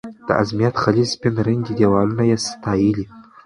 د ازمېت خلیج سپین رنګي دیوالونه یې ستایلي.